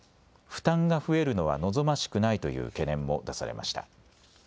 負担が増えるのは望ましくないという懸念も出されました。